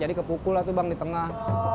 jadi kepukul lah tuh bang di tengah